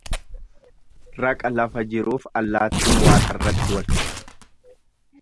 Raqa lafa jiruuf allaattiin waaqarratti wal fixxi.